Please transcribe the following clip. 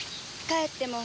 帰っても。